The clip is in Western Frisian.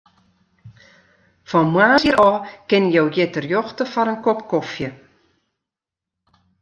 Fan moarns ôf kinne jo hjir terjochte foar in kop kofje.